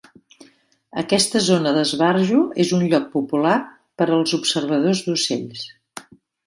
Aquesta zona d'esbarjo és un lloc popular per als observadors d'ocells.